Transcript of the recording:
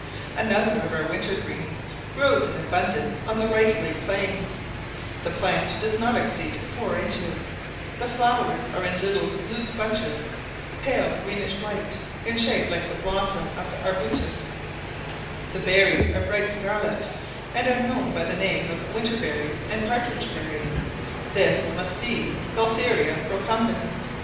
Another of our winter greens grows in abundance on the Rice Lake plains; the plant does not exceed four inches; the flowers are in little loose bunches, pale greenish white, in shape like the blossom of the arbutus; the berries are bright scarlet, and are known by the name of winter berry, and partridge berry; this must be Gaultheria procumbens.